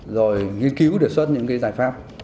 rồi nghiên cứu đề xuất những cái giải pháp